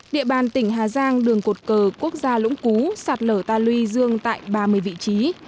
địa bàn tỉnh hà giang đường cột cờ quốc gia lũng cú sạt lở ta luy dương tại ba mươi vị trí